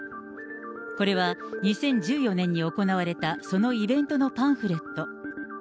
これは２０１４年に行われたそのイベントのパンフレット。